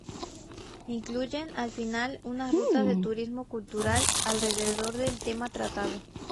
Incluyen, al final, unas rutas de turismo cultural, alrededor del tema tratado.